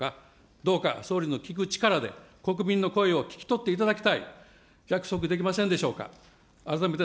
どうか総理の聞く力で、国民の声を聞き取っていただきたい、約束できませんでしょうか。